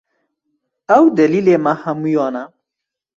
Ew delîlê me hemûyan e